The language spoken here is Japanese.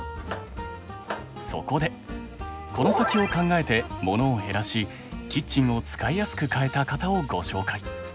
そこでコノサキを考えてモノを減らしキッチンを使いやすく変えた方をご紹介。